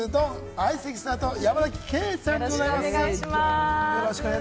相席スタートの山崎ケイさんでございます。